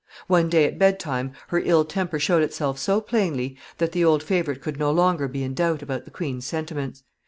One day, at bedtime, her ill temper showed itself so plainly, that the old favorite could no longer be in doubt about the queen's sentiments.